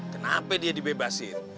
kenapa dia dibebasin